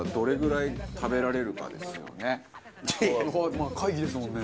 まあ会議ですもんね。